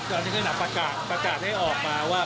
ก็ถึงให้หนักประกาศประกาศให้ออกมาว่า